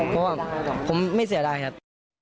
เพราะว่าผมไม่เสียดายครับ